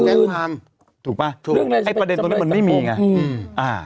ทุกเรื่องในสำเนิดสัมผัสประเด็นตัวนี้มันไม่มีไง